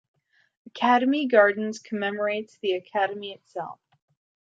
Academy Gardens commemorates the Academy itself.